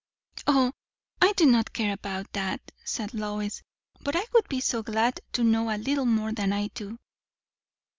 "O, I do not care about that," said Lois; "but I would be so glad to know a little more than I do."